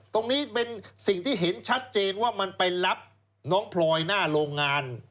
ตรงนี้เป็นสิ่งที่เห็นชัดเจนว่ามันไปรับน้องพลอยหน้าโรงงาน